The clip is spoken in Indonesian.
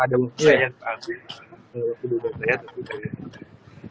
ada yang mengambil kebutuhan saya